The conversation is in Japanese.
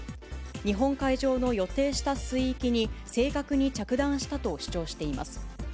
日本海上の予定した水域に正確に着弾したと主張しています。